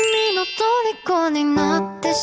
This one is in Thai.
มีไก่ย่างไหม